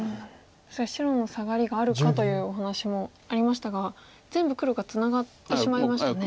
白のサガリがあるかというお話もありましたが全部黒がツナがってしまいましたね。